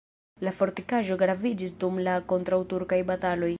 La fortikaĵo graviĝis dum la kontraŭturkaj bataloj.